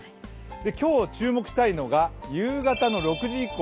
今日注目したいのが夕方６時以降。